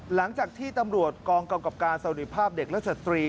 หลังจากที่ตำรวจกองกำกับการสวัสดีภาพเด็กและสตรี